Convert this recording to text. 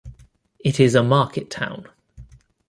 It is a market town.